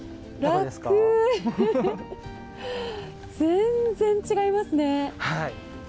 全然違いますね。